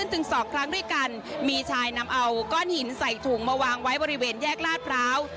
ถึงสองครั้งด้วยกันมีชายนำเอาก้อนหินใส่ถุงมาวางไว้บริเวณแยกลาดพร้าว